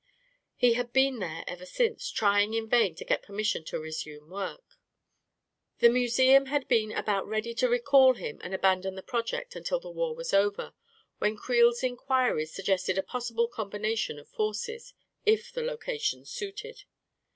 He had been there ever since, trying in vain to get permission to resume work. The museum had been about ready to recall him and abandon the project until the war was over, when Creel's inquiries sug gested a possible combination of forces, if the loca tions suited.